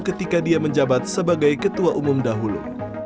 ketika dia menjabat sebagai ketua umum dahulu